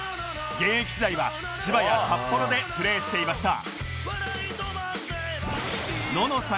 現役時代は千葉や札幌でプレーしていましたがスタートです